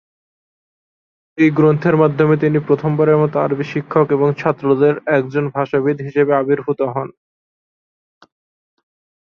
এই গ্রন্থের মাধ্যমে তিনি প্রথমবারের মত আরবি শিক্ষক এবং ছাত্রদের মধ্যে একজন ভাষাবিদ হিসেবে আবির্ভূত হন।